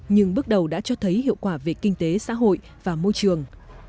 nhưng bước đầu đã cho thấy hiệu quả về kinh tế xã hội và môi trường